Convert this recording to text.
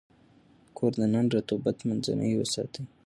د کور دننه رطوبت منځنی وساتئ.